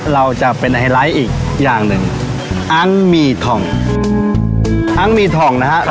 เราจะเป็นไฮไลท์อีกอย่างหนึ่งอันมีทองทั้งมีทองนะครับ